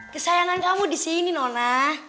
kesayangan kamu disini nona